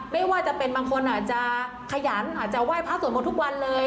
ไม่ว่าจะเป็นบางคนอาจจะขยันอาจจะไหว้พระสวดมนต์ทุกวันเลย